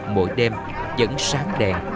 mỗi đêm vẫn sáng đèn